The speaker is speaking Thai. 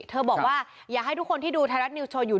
เธอบอกว่าอย่าให้ทุกคนที่ดูทางไทยรัดนิวช่วยอยู่